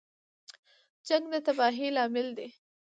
جنګ د تباهۍ لامل دی